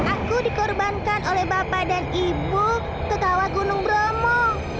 aku dikorbankan oleh bapak dan ibu ke kawah gunung bromo